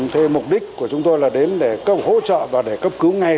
thế mục đích của chúng tôi là đến để hỗ trợ và để cấp cứu ngay